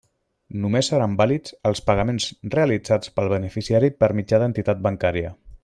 Només seran vàlids els pagaments realitzats pel beneficiari per mitjà d'entitat bancària.